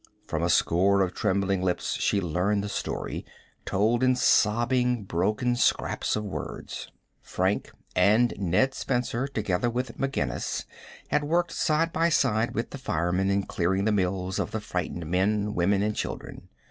From a score of trembling lips she learned the story, told in sobbing, broken scraps of words. Frank and Ned Spencer, together with McGinnis, had worked side by side with the firemen in clearing the mills of the frightened men, women, and children.